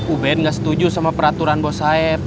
ubed enggak setuju sama peraturan bos saeb